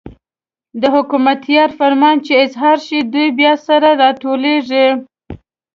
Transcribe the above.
د حکمتیار فرمان چې اظهار شي، دوی بیا سره راټولېږي.